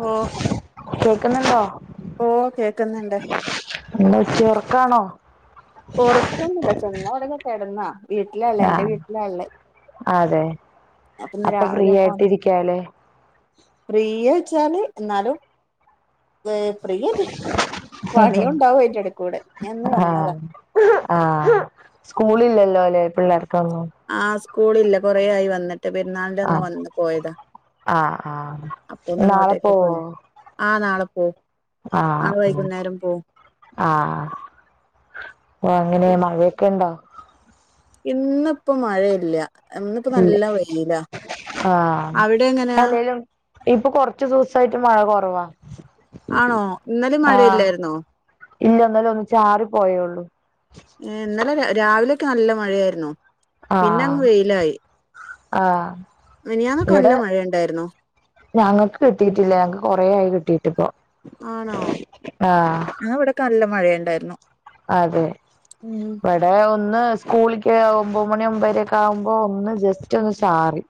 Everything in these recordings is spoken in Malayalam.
ഓ കേൾക്കുന്നുണ്ടോ ഓഹ് കേൾക്കുന്നുണ്ട് എന്താ ചേർക്കാണോ ഒറക്കുന്നില്ല ചെന്ന ഒടങ്ങ തെടുന്നാ വീട്ടിലള്ള എന്റെ ആഹ് വീട്ടിലാള്ള അതെ അപ്പൊ ഫ്രീ രാവിലെ ആയിട്ടിരിക്കാലേ ഫ്രീയാച്ചാല് എന്നാലും ഏ ഫ്രീന്നെ പണിയുണ്ടാവും അതിന്റെടക്കൂടെ ഞാൻന്ന് വന്നതാ ആഹ സ്കൂളില്ലല്ലോ ലെ പിള്ളേർക്കൊന്നും ആ സ്കൂളില്ല കൊറെ ആയി വന്നിട്ട് മറ്റ പെരുന്നാളിന്റന്ന് ആഹ് വന്ന് പോയതാ ആഹ് ആഹ് നാളെ അപ്പൊന്ന്ങ്ങോട്ടേക്ക് പോവോ പോന്നു ആഹ നാളെ പോവും നാളെ ആഹ് വൈകുന്നേരം പോവും ആഹ എങ്ങനെ മഴയൊക്കെണ്ടോ ഇന്നിപ്പോൾമഴയില്ല എന്നിപ്പോ ഇല്ല നല്ല വെയിലാ ആഹ് അവിടെ എങ്ങനെയാ അല്ലേലും ഇപ്പൊ കൊറച്ചു ദുവസായിട്ട് മഴ കുറവാ ആണോ ഇന്നലെ ആഹ മഴയില്ലായിരുന്നോ ഇല്ലന്നാലെ ഒന്നിച്ചാറി പോയേള്ളൂ ഹേ ഇന്നലെ രാവിലെയൊക്കെ നല്ല മഴയായിരുന്നു പിന്നെ അങ്ങ് ആഹ് വെയിലായി ആഹ് മിനിയാന്ന് നല്ല മഴയ ഉണ്ടായിരുന്നു ഞങ്ങൾക്ക് കിട്ടിയിട്ടില്ല ഞങ്ങക്ക് കൊറെ ആയി കിട്ടിട് ഇപ്പൊ ആണോ ആ ഇവിടെകെ നല്ല മഴയുണ്ടായിരുന്നു അതെ ഉം ഇവിടെ ഒന്ന് സ്കൂളിക്ക് ഒമ്പത് മണി ഒമ്പര ഒക്കെ ആകുമ്പോ ഒന്ന് ജസ്റ്റ് ഒന്ന് ചാറി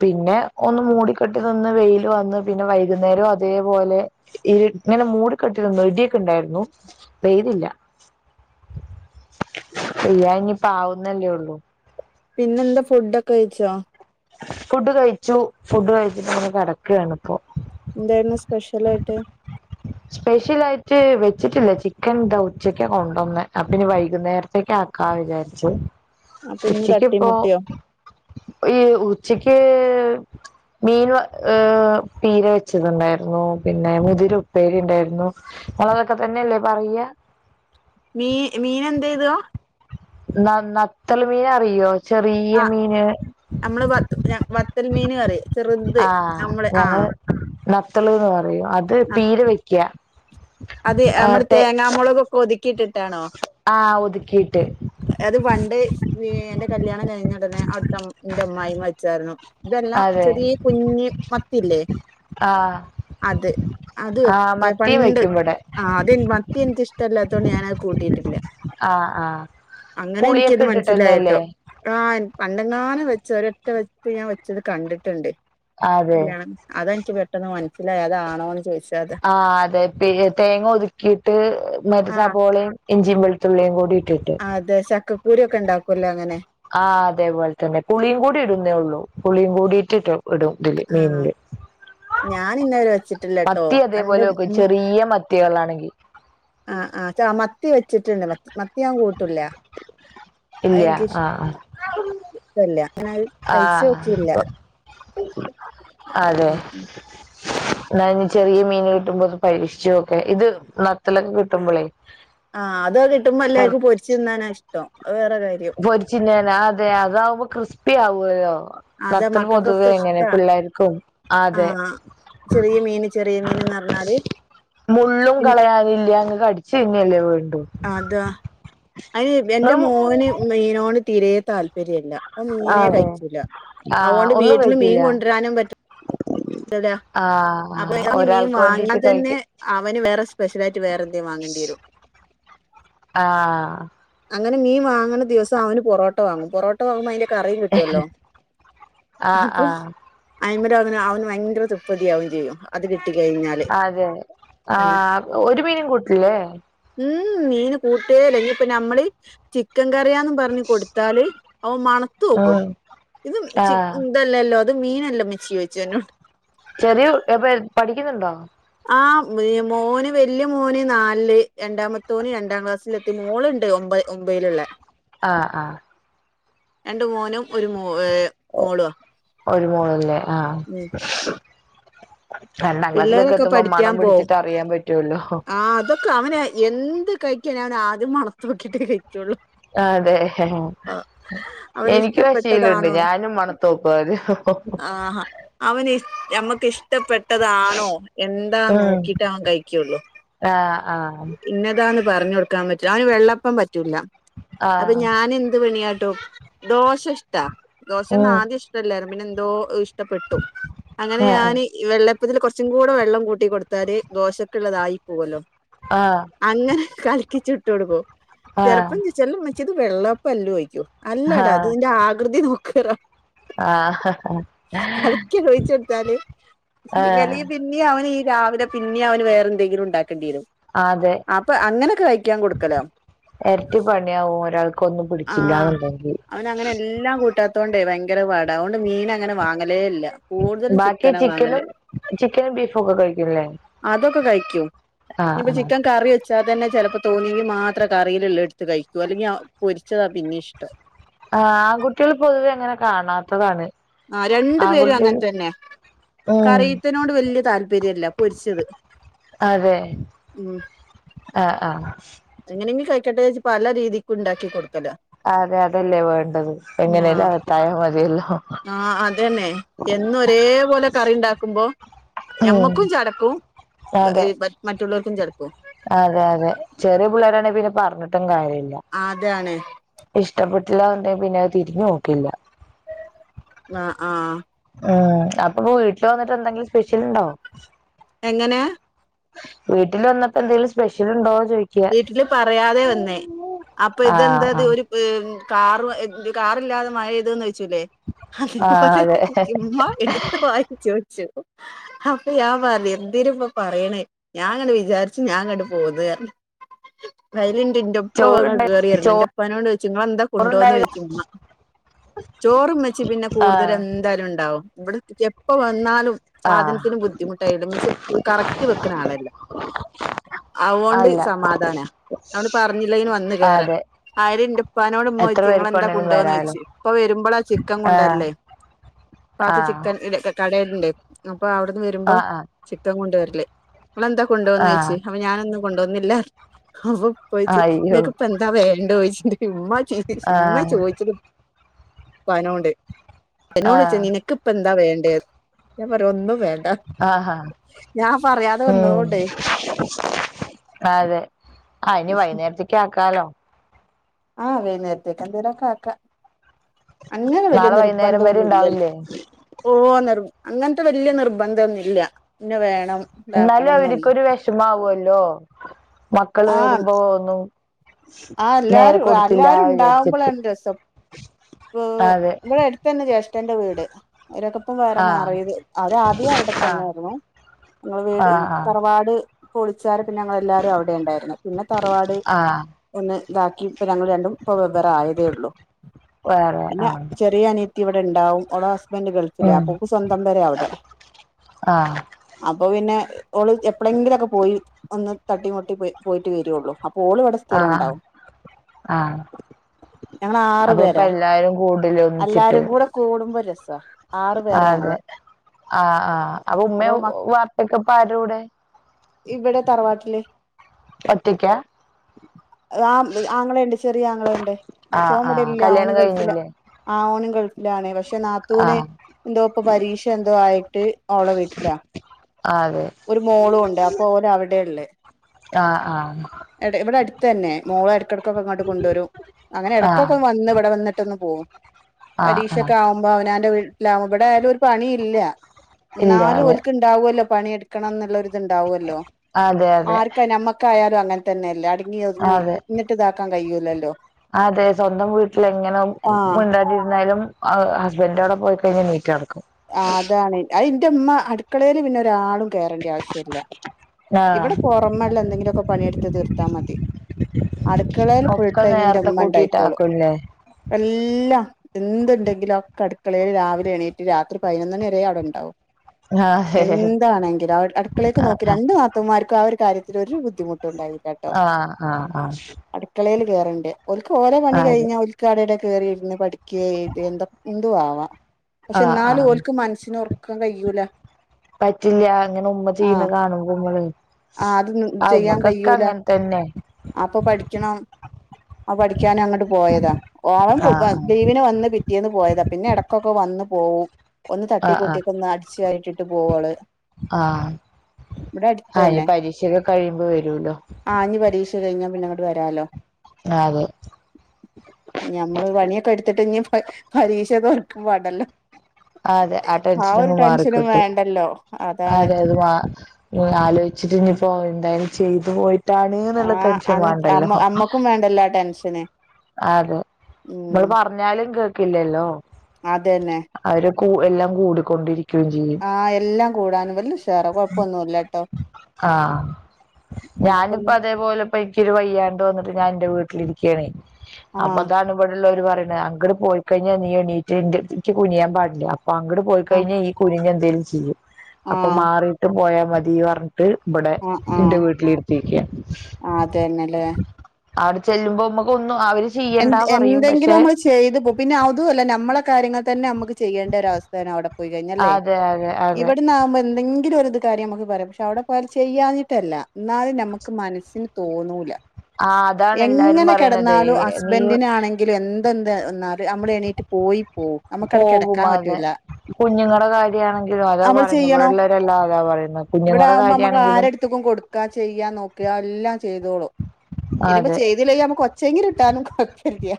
പിന്നെ ഒന്ന് മൂടിക്കെട്ടി നിന്ന് വെയില് വന്ന് പിന്നെ വൈകുന്നേരം അതേപോലെ ഇ ഇങ്ങനെ മൂട കെട്ടിനിന്നു ഇടിയൊക്കെ ഉണ്ടായിരുന്നു പെയ്തില്ല ഇനി പാവുന്നല്ലേ ഉള്ളൂ പിന്നെന്താ ഫുടൊക്കെ കഴിച്ചോ ഫുഡ് കഴിച്ചു ഫുഡ് കഴിച്ചിട്ട് ഇങ്ങനെ കിടക്കുകാണിപ്പോ എന്തായിരുന്നു സ്പെഷ്യലായിട്ട് സ്പെഷ്യൽ ആയിട്ട് വെച്ചിട്ടില്ല ചിക്കൻ ദാ ഉച്ചക്കെ കൊണ്ടന്നെ അപ്പനി വൈകുന്നേരത്തേക്ക ക വിചാരിച്ചു അപ്പൊ ഇന്ന് ഉച്ചക്ക് ഇപ്പോ തട്ടിമുട്ടിയോ ഒരി ഉച്ചക്ക് മീൻ ഹ് പീര വെച്ചതുണ്ടായിരുന്നു പിന്നെ മുതിരു പ്പേരിണ്ടായിരുന്നു നിങ്ങളതൊക്കെ തന്നെയല്ലേ പറയ മീ മീനേന്ത്ദാ ന നത്തലു മീനറിയോ ചെറിയ ആ മീന് നമ്മള് ബത് വത്തൽ മീൻ കറി ചെറുത് ആഹ് നമ്മള് ആ ഞങ്ങള് നത്തൾന്ന് പറയും അത് പീരവെക്ക അത് നമ്മള് തേങ്ങാമുളക് ഒക്കെ ഒതുക്കിട്ടിട്ടാണോ ആ ഒതുക്കിയിട്ട് അത് പണ്ട് എന്റെ കല്യാണം കഴിഞ്ഞുടനെ അവിടുത്തെ എന്റെമ്മായും വച്ചായിരുന്നു ഇതെല്ലാം അതെ ചെറിയ കുഞ്ഞ് മത്തിയില്ലേ ആ അത് അത് ആ മത്തിയും പണ്ട് വെക്കും ഇവിടെ ആഹ് അത് മത്തിനിക് ഇഷ്ടല്ലാത്തതോണ്ട് ഞാനത് കൂട്ടിയിട്ടില്ല ആ ആ അങ്ങനെ എനിക്കിത് പുളിയൊക്കെ ഇട്ടിട്ട് മനസ്സിലായിട്ടോ തന്നെയല്ലേ ആഹ പണ്ടെങ്ങാലെ വെച്ചരൊറ്റ വെപ്പ് ഞാൻ വെച്ചത് കണ്ടിട്ടുണ്ട് അതെ കല്യാണം അതെനിക്ക് പെട്ടെന്ന് മനസ്സിലയി അതാണോന്ന് ചോദിച്ചത് ആ അതെ പിന്നെ തേങ്ങതുക്കിയിട്ട് മറ്റേ ആഹ് സബോളയും. ഇഞ്ചിയും വെളത്തുള്ളിയും കൂടി ഇട്ടിട്ട്. അതെ ചക്കക്കൂരു ഒക്കെ ഉണ്ടാക്കുല്ലോ അങ്ങനെ. ആ അതേപോലെ തന്നെ പുളിയും കൂടി ഇടുന്നേള്ളൂ പുളിയും കൂടിട്ടിടും. ഇടും ഇതില് ആഹ് മീന്ല്. ഞാൻ ഇന്നേവരെ വെച്ചിട്ടില്ലട്ടോ മത്തി എന്റെ അതേപോലെ വെക്കട്ട ഉം ചെറീയ മത്തികളാണെങ്കി. ആഹ് ആഹ് ച മ. മത്തി വെച്ചിട്ടുണ്ട് മത്തി ഞാൻ കൂട്ടുല്ല അത ഇല്ല എനിക്ക്. [unintelligible] [unintelligible] അങ്ങനേയാൻ. ആഹ് അതെ. ഉം ഉം ല്ലായെങ്കി ചെറീ മീൻ കിട്ടുമ്പോ അത് കഴിച്ചോക്ക് ഇത് നത്ത ലൊക്കെ കിട്ടുമ്പോളേ. ആഹ് അതോ കിട്ടുമ്പോ കൊറ അല്ലാർക്കും പൊരിച്ചു തിന്നാനാ ഇഷ്ടം അത് വേറെ കാര്യം. പൊരിചിന്നേന അതെ അതാവുമ്പോ ക്രി്സ്പി ആവേല്ലോ. അതെ നത്തൽ പൊതുവേ മക്കൾക്കൊക്കെ അങ്ങനെ ഇഷ്ടാ പിള്ളേർക്കും ആത. ആഹ് ചെറിയ മീൻ ചെറിയ മീൻന്ന് പറ്ഞ്ഞാല്. മുള്ളും കളയാനില്ല ങ്ങ് കടിച്ച് തിന്നല്ലേ വേണ്ടു. അതാ അയ്ന് എന്റെ നിങ്ങളും മോന് മീനോട് തീരെ താല്പര്യല്ല. ഓ ആ മീനെ അതെ കഴിക്കൂല ആ അതോണ്ട് ഒന്നും വീട്ടില് മീൻ കഴിക്കില്ല കൊണ്ട്രാനും പറ്റുല. ആ ആ അപ്പൊ മീൻ ഒരാൾക്ക് വാങ്ങ്യാ വേണ്ടിട്ട് തന്നെ കഴിക്കും അവന് വേറെ സ്പെഷ്യലായിട്ട് വേറെ എന്തേം വാങ്ങേണ്ടിരും. ആഹ്. അങ്ങനെ മീ വാങ്ങണ ദിവസം അവന് പൊറോട്ട വാങ്ങും പൊറോ. ട്ടോ ആവുമ്പ അയിന്റെ കറിയും കിട്ടോല്ലോ ആ അപ്പൊ. ആ അയ്മര് അവന് അവന് ഭയങ്കര തൃപ്തിയാകും ചെയ്യും. അത് കിട്ടി കഴിഞ്ഞ. അതെ ആഹ് ഒരു മീനും കൂട്ടില്ലേ? മ് മ് മീന് കൂട്ടേല്ല. ഞ്പ്പ ഞമ്മള് ചിക്കൻ കറിയാന്ന് പറഞ്ഞ് കൊടുത്താല്. അവ മണത്ത് നോക്കും ഉം ഇത് ആ ഇതെല്ലല്ലോ ഇത് മീനല്ലെ മ്മച്ചി ച്ചും ഇന്നോട്. ചെറിയൊ അവൻ പഠിക്കുന്നുണ്ടോ? ആഹ് മോന് വല്യ മോന് നാല്ൽ രണ്ടാമത്തോന് രണ്ടാം ക്ലാസ്. ഞ്ച്ല്ത്തി. മോളുണ്ട് ഒമ്പത് ഒമ്പേലുള്ള. ആഹ് ആഹ്. രണ്ട് മോനും ഒരു മോഏ മോളുവാ. ഒരു മോളല്ലേ ആഹ്. ഉം രണ്ടാം ക്ലാസ്സിലൊക്കെ പിള്ളേരൊക്കെ എത്തുമ്പോ പഠിക്കാൻ മണം പോവും പിടിച്ചിട്ട് അറിയാൻ പറ്റുവല്ലോ. ആ അതൊക്കെ അവന് എന്ത് കഴിക്കാനേ അവന് ആദ്യം മണത്തോക്കിട്ടെ കഴിക്കുള്ളൂ. ആഹ് അതെ. ആ അവന് എനിക്ക് ആ ശീലമുണ്ട് ഇഷ്ടപ്പെട്ടതാണോന്ന് ഞാനും മണത്ത് നോക്കും ആദ്യം ആഹാ അവന് മ്മക്ക് ഇഷ്. ട്ടപ്പെട്ടതാണോ എന്താ ഉം നോക്കിട്ടാ അവൻ കഴിക്കുള്ളൂ. ആഹ് ആഹ്. ഇന്നതാന്ന് പറഞ്ഞഞ് കൊടുക്കാൻ പറ്റും അവന് വെള്ളപ്പം പറ്റൂല്ല. അപ്പൊ ആഹ് ഞാൻ എന്ത് പണിയാട്ടും ദോശ ഇഷ്ടാ ദോശന്നു ഉം ആദ്യം ഇഷ്ട. ടല്ലായിരുന്നു. പിന്നെ എന്തോ ഇഷ്ടപ്പെട്ടു അങ്ങനെ ആഹ് ഞാൻ. ഈ വെള്ളപ്പത്തിൽ കൊറ്ച്ചും കൂടെ വെള്ളം കൂട്ടി കൊടുത്താല് ദോശക്ക്ള്ളതായി പോവല്ലോ. ആഹ്. അങ്ങനെ കലിക്കിച്ചുട്ടൊടക്കും ആഹ് ചെലപ്പം ചോച്ചും എല്ലമ്മച്ചേ ഇത് വെള്ളപ്പല്ലേ ഒഴിക്കും. അല്ലാടാ അത് ആഹ് ന്റെ ആകൃതി നോക്കട പറിം ആഹ് കളിക്കി ഒഴിച്ചൊട്ത്താൽ. ആഹ് [unintelligible] പിന്നെ അവൻ ഈ രാവിലെ പിന്നെ അവന് വേറെ ന്തെങ്കിലും ഉണ്ടാക്കേണ്ടി വരും. ആഹ് അതെ. അപ്പൊ അങ്ങനൊക്കെ കഴിക്കാൻ കൊടുക്കലോ. എരട്ടി പണിയാവും ഒരാൾക്ക് ഒന്നും പിടിച്ചില്ലന്ന്ണ്ടെങ്കിൽ. തോണ്ടേ ഭയങ്കര പാടാ അതൊണ്ട് മീൻ അങ്ങനെ വാങ്ങലേ ഇല്ല കൂടുതലും ബാക്കി ചിക്കനാ വാങ്ങല് ചിക്കനും ചിക്കനും ബീഫും ഒക്കെ കഴിക്കുംല്ലേ അതൊക്കെ കഴിക്കൂ ആഹ് ഇനിപ്പൊ ആഹ് ചിക്കൻ കറി വച്ചു വെച്ചാ തന്നെ ചെലപ്പോ തോന്നിയെങ്കിൽ മാത്രം കറിയിലുള്ള എടുത്ത് കഴിക്കൂ അല്ലെങ്കിൽ പൊരിച്ചതാ പിന്നെ ഇഷ്ടം ആഹ് ആൺകുട്ടികൾ പൊതുവെ അങ്ങനെ കാണാത്തതാണ് ആഹ് രണ്ടു പേരും ആൺകുട്ടികൾ അങ്ങനെ തന്നെ ഉം കറിയത്തിനോട് വലിയ താല്പര്യമില്ല പൊരിച്ചത് അതെ ഉം ആഹ് ആഹ് എങ്ങനെങ്കിലും കഴിക്കട്ടെ എന്നു വെച്ച് പല രീതിക്ക് ഉണ്ടാക്കി കൊടുക്കല്ല അതെ അതല്ലേ വേണ്ടത് എങ്ങനെലും അകത്തായ മതിയെല്ലോ ആഹ് അതന്നെ എന്നും ഒരേ പോലെ കറി ഉണ്ടാക്കുമ്പോ ഉം നമ്മക്കും ചടക്കും അതെ മറ്റുള്ളവർക്കും ചടക്കും അതെ അതെ ചെറിയ പിള്ളേരാണെങ്കി പിന്നെ പറഞ്ഞിട്ടും കാര്യമില്ല അതാണ് ഇഷ്ടപ്പെട്ടില്ല എന്നുണ്ടെിൽ പിന്നെ അത് തിരിഞ്ഞു നോക്കില്ല ആഹ് ആഹ് ഉം അപ്പൊ വീട്ടില് വന്നിട്ട് എന്തെങ്കിലും സ്പെഷ്യൽ ഉണ്ടോ? എങ്ങനെയാ വീട്ടിൽ വന്നപ്പോ എന്തെങ്കിലും സ്പെഷ്യൽ ഉണ്ടോ ചോദിക്ക. വീട്ടില് പറയാതെ വന്നേ അപ്പൊ ഇതെന്താ ആഹ് ഒരു ആഹ് കാർ എഹ് കാറില്ലാതെ മഴയതന്ന് വെച്ചല്ലേ ആഹ് അതേപോലെ അതെ ചുമ്മ എടുത്ത വായി ചോദിച്ചു അപ്പൊ ഞാൻ പറയും എന്തിന് ഉമ്മ പറയണേ ഞാൻ അങ്ങനെ വിചാരിച്ച് ഞാ ഇങ്ങോട്ട് പോന്ന് വരിണ്ട് എന്റെ ഉപ്പ വന്ന് ചോറുണ്ട കേറിയാരുന്ന്, എന്റെപ്പനോട് ചോദിച്ചു നിങ്ങൾ എന്താ കൊണ്ടു വന്നേന്ന് ചോറുണ്ടായത് ചോദിച്ച് ഉമ്മ ചോറും ഉമ്മച്ചി പിന്നെ ആഹ് കൂടുതലും എന്തായാലും ഉണ്ടാവും ഇവിടെ എപ്പ വന്നാലും ആഹ് സാധനത്തിന് ബുദ്ധിമുട്ടായില ഉമ്മച്ചി എപ്പഴും കറക്റ്റ് വെക്കുന്ന ആളല്ല അതുകൊണ്ട് അല്ല സമാധാനാ അതോണ്ട് പറഞ്ഞില്ലങ്കിലും വന്ന് കേയറാ അതെ ആയിര് ഇന്റെപ്പാനോട് ഉമ്മമ എത്ര ചോദിച്ച് നിങ്ങ ശ പേർക്ക് എന്ത വേണേലും കൊണ്ടോന്ന് വരാലോ ചോദിച്ച് ഇപ്പൊ വരുമ്പോ ആഹ് ചിക്കൻ ആഹ് കൊണ്ടുവരല്ലേ ഉപാക്ക് ആഹ് ചിക്കൻ ഇ കടയിണ്ട്, അപ്പൊ അവിടന്ന് വരുമ്പോ ആഹ് ചിക്കൻ കൊണ്ട വരല്. ഇവളെന്താ കൊണ്ട ആഹ് വന്നേന്ന് ചോദിച്ചു, ആഹ് അപ്പ ഞാനൊന്നും കൊണ്ടോന്നില്ല അപ്പ ഉപ്പ ചോയിച്ച്, അയ്യോ നിങ്ങക്കിപ്പ എന്ത എന്താ വേണ്ട ചോദിച്ചിണ്ട് ഉമ്മ ആഹ് ചോദിച്ച ഉപ്പനോണ്ട് എന്നോട് ചോദിച്ചു ആഹ് നിനക്കിപ്പ എന്താ വേണ്ടേ, ഞാൻ പറയാ ഒന്നു വേണ്ട ആഹ് ഞാൻ പറയാതെ ഉം വന്നതോണ്ടേ അതെ ആഹ് ഇനി വൈകുന്നേരത്തേക്ക ആക്കാലോ ആഹ് വൈകുന്നേരത്തേക്ക് എന്തെങ്കിലുമൊക്കെ ആക്കാം അങ്ങനെ വലിയ നാളെ നിർബന്ധ വൈകുന്നേരം വരെ ഒന്നുമില്ലല്ലോ ഉണ്ടാവില്ലേ ഓ നിർ അങ്ങനത്തെ വലിയ നിർബന്ധ ഒന്നും ഇല്ല ഇന്ന വേണം എന്നാലും ഇതാക്കണം എന്നൊന്നും അവർക്കൊരു വിഷമാവോല്ലോ മക്കള് ആഹ് വരുമ്പോ ഒന്നും ആ നേരെ എല്ലാരും കൊടുത്തില്ല എല്ലാരും വിചാരിച്ചിട്ട് ഉവ്വ് അതെ ഇവിടെ അടുത്തന്നെ ജ്യേഷ്ഠന്റെ വീട് അവരൊക്കെ ഇപ്പം വേറെ ആ മാറിയത് അവര് അദ്യം ആ അവിടെത്തന്നെയായിരുന്നു ഇങ്ങടെ ആ വീട് ആ തറവാട് പൊളിച്ചാരുന്നു പിന്നെ ഞങ്ങൾ എല്ലാരും അവിടെ ഉണ്ടായിരുന്നു പിന്നെ തറവാട് ആ ഒന്ന് ഇതാക്കി ഇപ്പ ഞങ്ങൾ രണ്ടും ഇപ്പ വെവേറെ ആയതേ ഉള്ളൂ. വേറെ പിന്നെ ആ ചെറിയ അനിയത്തി ഇവിടെ ഉണ്ടാവും ഓടെ ഹസ്ബന്റ് ഗൾഫില, ഉം പ ഓക്ക് സ്വന്തം പെര അവിടെ ആ അപ്പൊ പിന്നെ ഓള് എപ്പോളെങ്കിലുമൊക്കെ പോയി ഒന്ന് തട്ടിമോട്ടി പോയിട്ട് വരുള്ളൂ, അപ്പോ ഓള് അവിടെ ആഹ് ആഹ് ഞങ്ങള് ആറു അപ്പൊ ഇപ്പ പേരാ എല്ലാരും കൂടുതൽ ഒന്നിച്ചിട്ട് സ അ അ അതെ ആഹ് ആഹ് അപ്പൊ ഉമ്മ വാപ്പക്കെപ്പ ആരുടെകൂടെ ഇവിടെേ തറവാട്ടില് ഒറ്റക്ക ആ ആങ്ങളെണ്ട് ചെറിയ ആങ്ങളെണ്ട് ആ ആ ചോബിടില്ല അവന് കല്യാണം ഗൾഫിലാ കഴിഞ്ഞില്ലേ ആഹ് ഓനും ഗൾഫിലാണ് പക്ഷെ ആ നാത്തുവിനെ എന്തോ ഇപ്പ പരീക്ഷ എന്തോ ആയിട്ട് ഓള വീട്ടില്ല അതെ ഒരു മോളും ഉണ്ട് അപ്പൊ ഓര അവിടെയള്ളേ ആഹ് ആഹ് ഇവിടെ അടുത്ത് തന്നെ മോളോ ഇടക്കിടക്കൊക്കെ അങ്ങോട്ട് കൊണ്ടുവരും അങ്ങനെ ആ ഇടക്കൊക്കെ വന്ന് ഇവിടെ വന്ന് പട്ടന്ന് പോകും ആ ആ പരീക്ഷൊക്കെ ആകുമ്പോ അവനന്റെ വീട്ടിലാവുമ്പോ ഇവിടെ ആയാലും ഒരു പണിയില്ല ഇല്ല നാലും അതെ ഓരുക്ക് ഉണ്ടാവുമല്ലോ പണിയെടുക്കണം എന്നുള്ളഒരിത് ഇത്ണ്ടാവുമല്ലോ അതെ അതെ ആർക്ക ക നമ്മക്കായാലും അങ്ങനെ തന്നെല്ലേ അടങ്ങി ഒതുങ്ങി അതെ ഇന്നിട്ടതാക്കാൻ കഴിയൂല്ലല്ലോ അതെ സ്വന്തം വീട്ടില എങ്ങനെ ആഹ് മിണ്ടാട്ടിരുന്നാലും ഹസ്ബൻഡന്റൊടെ പോയി കഴിഞ്ഞ് മീറ്റ് നടക്കും ആഹ് അതാണ് അ ഇന്റെ അമ്മ അടുക്കളയില് പിന്നെ ഒരാളും കേയറേണ്ടി ആവശ്യമില്ല ഇവിടെ ആഹ് പുറമെള്ള എന്തെങ്കിലുമൊക്കെ പണിയെടുത്ത് തീർത്താ മതി അടുക്കളയിൽ ഒക്കെ ഫുൾടൈം ന്റെ നേരത്തെ അമ്മ ഉണ്ടായിക്കോളും കൂട്ടിട്ടാക്കുംല്ലേ എല്ലാം എന്തുണ്ടെങ്കിലും ഒക്കെ അടുക്കളയിൽ രാവിലെ എണീറ്റ് രാത്രി പതിനൊന്നണി വരെ അവിടെ ഉണ്ടാവും ആഹ് എന്താണെങ്കില അടുക്കളേക്ക് ആഹ് നോക്കി രണ്ട നാത് ത്തൂൻമാർക്കും ആ ഒരു കാര്യത്തിൽ ഒരു ബുദ്ധിമുട്ടുണ്ടായി ആഹ് ആഹ് ആഹ് അടുക്കളയിൽ കേയറണ്ടേ ഓൽക്ക് ഓരോ പണി അതെ കഴിഞ്ഞാൽ ടയുടെ കയറി ഇരുന്ന് പഠിക്കുക എഴുതൂ എന്ത എന്തുവാവാ പക്ഷെ ആഹ് എന്നാലും ആഹ് ഓൽക്ക് മനസ്സിന് ഉറക്കാൻ കഴിയൂല പറ്റില്ല അങ്ങനെ ഉമ്മ ചെയ്യുന്ന ആഹ് കാണുമ്പോുമമ്മള് ആഹ് അത് ചെയ്യാൻ അമക്കൊക്കെ കഴിയൂല അങ്ങനെ തന്നെ അപ്പൊ പഠിക്കണം ആ പഠിക്കാനും അങ്ങോട്ട് പോയതാ ആഹ് [unintelligible] ലീവിന് വന്ന് പിറ്റേന്ന് പോയതാ പിന്നെ ഇടക്കൊക്കെ വന്ന് പോവും ഒന്ന് തട്ടി ആഹ് ആഹ് കൂട്ടിക്കെ ഒന്ന് അടിച്ചാരിയിട്ട ട്ട് പോവോള് ആഹ് ഇവിടെ അടുത്ത് ആ ഇനി പരീക്ഷൊക്കെ കഴിയുമ്പോ വരുലോ ആ ഞ്ഞി പരീക്ഷ കഴിഞ്ഞാ പിന്നെ ങ്ങോട്ട് വരാലോ അതെ ഞമ്മള് പണിയൊക്കെ എടുത്തിട്ട് ഇനി പരീക്ഷ തൊറക്കും പാടല്ലോ ആ അതെ ആ ടെൻഷൻങ്ങ് മാറിക്കിട്ടും വേണ്ടല്ലോ അതാണ് അതെ അത് മാ ആലോചിച്ചിട്ട് ഇനിയിപ്പോ എന്തായാലും ചെയ്തു പോയിട്ടാണ് ആ എന്നുള്ള ടെൻഷൻ അങ്ങ വേണ്ടല്ലോ അമ്മ അമ്മക്കും വേണ്ടല്ലോ ടെൻഷന് അതെ നമ്മൾ ഉം പറഞ്ഞാലും കേക്കില്ലല്ലോ അതന്നെ അവരെ കു എല്ലാം കൂടിക്കൊണ്ടിരിക്കുകയും ചെയ്യും ആഹ് എല്ലാം കൂടാനും വല്ല ഉഷാറ കൊഴപ്പൊന്നുല്ലട്ടോ ആഹ് നമ്മക്കൊന്നും അപ്പൊ എനിക്കൊരു വയ്യണ്ടോ വന്നിട്ട് ഞാൻ എന്റെ വീട്ടിലിരിക്കണേ അപ്പൊ ആഹ് അതാണ് ഇവിടെള്ളവര് പറയണെ അടെ പോയിക്കഴിഞ്ഞാൽ നീ എണീറ്റ് എനിക്ക് കുനിയാൻ പാടില്ല അപ്പൊ അങ്ങട് പോയി ആഹ് കഴിഞ്ഞാൽ ഈ കുനിഞ് എന്തെേലും ചെയ്യും അപ്പൊ ആഹ് മാറിയിട്ടും പോയാൽ മതി പറഞ്ഞ ട്ട് ഇവിടെ ആഹ് എന്റെ ആഹ് വീട്ടിൽ ഇരുത്തി ഇരിക്കുവാ ആഹ് അതന്നെല്ലേ അവിടെ ചെല്ലുമ്പോ നമ്മക്ക് ഒന്നും അവര് എ ചെയ്യണ്ടാ പറയും പക്ഷെ എന്തെങ്കിലും നമ്മള് ചെയ്തു പോം പിന്നെ അതുമല്ല നമ്മടെ കാര്യങ്ങൾ തന്നെ നമുക്ക് ചെയ്യണ്ടാ ഒരവസ്ഥ ത് അവിടെ പോയി കഴിഞ്ഞല്ലേ അതെ അതെ അതെ ഇവിടുന്നാക്കുമ്പോൾ എന്തെങ്കിലും ഒരു ഇത് കാര്യം നമുക്ക് പറയാം പക്ഷെ അവിടെ പോയാൽ ചെയ്യാഞ്ഞിട്ടല്ല എന്നാലും നമുക്ക് മനസ്സിന് തോന്നൂല. ആഹ് അതാണ് എല്ലാരും പറയണത് ഇനി ഇതാ ണെങ്കിലും എന്ത് എന്ത് വന്നാലും നമ്മൾ എണീറ്റ് പോയി പോവും നമുക്കവിടെ പോകും കിടക്കാൻ അതെ പറ്റൂല്ല കുഞ്ഞുങ്ങളുടെ കാര്യമാണെങ്കിലും അതാ നമ്മൾ പറയണെ ഇവിടെ ചെയ്യണോ ഉള്ളവര് എല്ലാം അതാ പറയുന്നെ കുഞ്ഞുങ്ങളുടെ കാര്യമാണെങ്കിലും ഇത് ഇപ്പം കൊടുക്കാ ചെയ്യാൻ നോക്കിയാ എല്ലാം ചെയ്തോളൂ ഇനിപ്പോ അതെ ചെയ്തില്ലെങ്കിൽ നമുക്ക് ഒ ചെകിരിട്ടാനും കുഴപ്പില്യ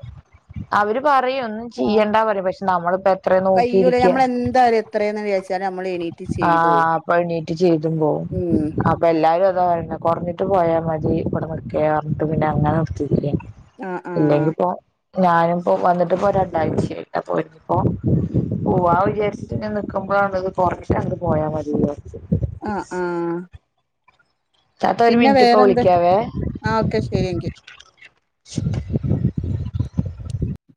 അവര് പറയും ഒന്നും ചെയ്യേണ്ടാ പറ പക്ഷെ നമ്മളിപ്പോ എത്രയാ നോക്കിയിരിക്ക [unintelligible] എത്രയാന്ന് വിചാരിച്ചാൽ നമ്മൾ എണീക്കും ആഹ് അപ്പം എണീറ്റ് ചെയ്തു പോകും ഉം അ പ്പം എല്ലാവരും അതാ പറയണേ കുറഞ്ഞിട്ട് പോയാൽ മതി ഇവിടെ നിക്കേയെന്നു പറഞ്ഞിട്ട് പിന്നെ അങ്ങനെ നിർത്തിക്കില്ലാ ആഹ് ആഹ് ഇല്ലെങ്കിൽ ഇപ്പോ ഞാനിപ്പോ വന്നിട്ട് ഇപ്പോ രണ്ടാഴ്ചയായി അപ്പൊ ഇപ്പൊ പോവാ വിചാരിച്ചിട്ട് ഇങ്ങനെ നിക്കുമ്പോഴണത് കുറച്ച് കണ്ടിട്ട് പോയാ മതിയെന്നു പറഞ്ഞത്. ആഹ് ആഹ് താത്ത ഒരു പിന്നെ മിനിറ്റ് ഇപ്പ വേറെന്ത് വിളിക്കാവേ ആഹ് ഓക്കെ ശരി എങ്കിൽ